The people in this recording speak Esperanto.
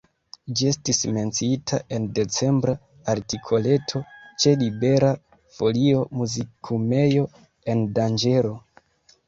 Ĝi estis menciita en decembra artikoleto ĉe Libera Folio, Muzikumejo en danĝero.